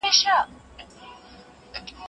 د ژوند حق د الله تعالی لویه ډالۍ ده.